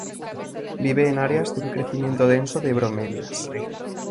Vive en áreas de un crecimiento denso de bromelias.